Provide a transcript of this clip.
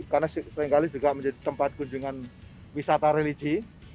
karena seringkali juga menjadi tempat kunjungan wisata religi